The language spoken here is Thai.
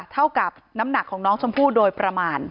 เท่ากับน้ำหนักของน้องชมพู่โดยประมาณ